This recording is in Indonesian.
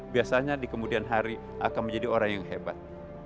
biasanya di kemudian hari akan menjadi orang yang hebat